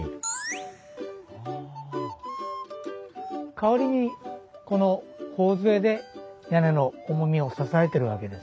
代わりにこの頬杖で屋根の重みを支えてるわけです。